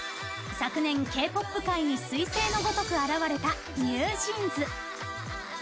昨年、Ｋ‐ＰＯＰ界に彗星のごとく現れたＮｅｗＪｅａｎｓ。